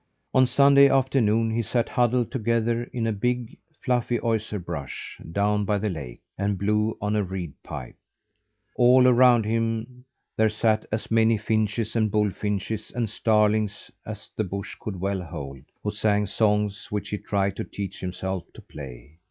On Sunday afternoon he sat huddled together in a big, fluffy osier bush, down by the lake, and blew on a reed pipe. All around him there sat as many finches and bullfinches and starlings as the bush could well hold who sang songs which he tried to teach himself to play.